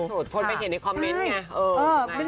แต่ว่าทั้งสุดคนไม่เห็นในคอมเมนต์ไง